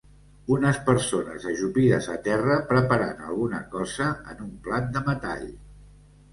Unes persones ajupides a terra preparant alguna cosa en un plat de metall.